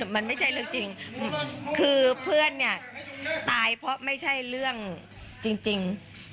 มันไม่ใช่เรื่องจริงคือเพื่อนเนี่ยตายเพราะไม่ใช่เรื่องจริง